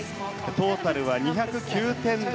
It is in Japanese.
トータルは２０９点台。